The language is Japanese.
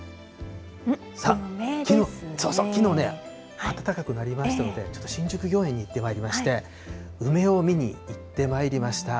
きのうね、暖かくなりましたので、ちょっと新宿御苑に行ってまいりまして、梅を見に行ってまいりました。